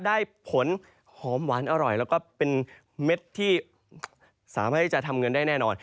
ได้ผลหอมหวานอร่อยแล้วก็เป็นเม็ดที่สามารถที่จะทำเงินได้แน่นอน